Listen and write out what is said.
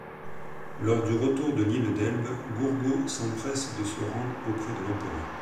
Lors du retour de l'île d'Elbe, Gourgaud s'empresse de se rendre auprès de l'Empereur.